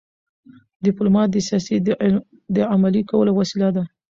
ډيپلومات د سیاست د عملي کولو وسیله ده.